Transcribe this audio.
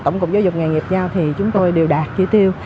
tổng cục giáo dục nghề nghiệp giao thì chúng tôi đều đạt chỉ tiêu